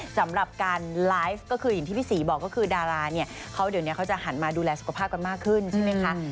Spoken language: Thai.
สำหรับการไลฟ์ก็คืออย่างที่พี่ศรีบอกก็คือดาราเนี่ยเขาเดี๋ยวนี้เขาจะหันมาดูแลสุขภาพกันมากขึ้นใช่ไหมคะ